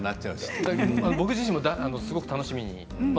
僕自身もすごく楽しみに。